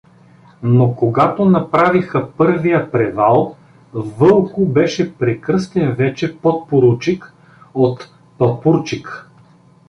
Но когато направиха първия превал, Вълко беше прекръстен вече подпоручик — от Папурчик.